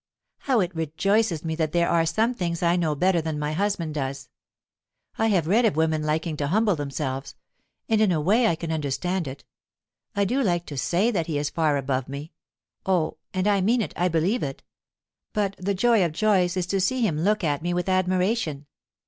How it rejoices me that there are some things I know better than my husband does! I have read of women liking to humble themselves, and in a way I can understand it; I do like to say that he is far above me oh! and I mean it, I believe it; but the joy of joys is to see him look at me with admiration.